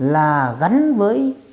là gắn với